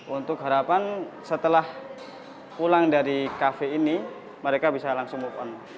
untuk harapan setelah pulang dari kafe ini mereka bisa langsung move on